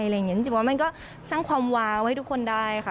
จริงว่ามันก็สร้างความว้าวให้ทุกคนได้ค่ะ